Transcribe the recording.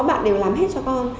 bạn đều làm hết cho con